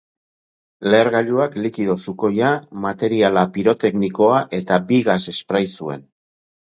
Lehergailuak likido sukoia, materiala piroteknikoa eta bi gas esprai zuen.